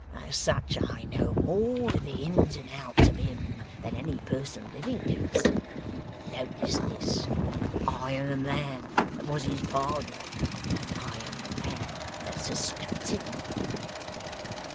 As such I know more of the ins and outs of him than any person living does. Notice this! I am the man that was his pardner, and I am the man that suspects him.